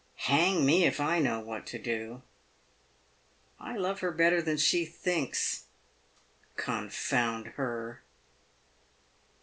Hang me, if I know what to do ! I love her better than she thinks — con found her!"